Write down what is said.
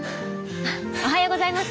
おはようございます。